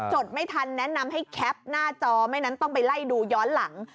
จดไม่ทันแนะนำให้แคปหน้าจอไม่งั้นต้องไปไล่ดูย้อนหลัง